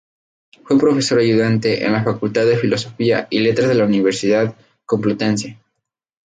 Fue profesor ayudante en la Facultad de Filosofía y Letras de la Universidad Complutense.